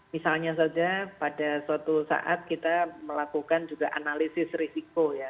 misalnya saja pada suatu saat kita melakukan juga analisis risiko ya